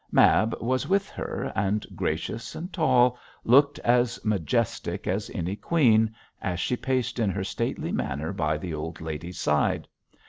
Mab was with her, and, gracious and tall, looked as majestic as any queen, as she paced in her stately manner by the old lady's side.